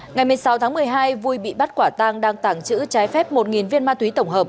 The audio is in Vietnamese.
ngày một mươi sáu tháng một mươi hai vui bị bắt quả tang đang tàng trữ trái phép một viên ma túy tổng hợp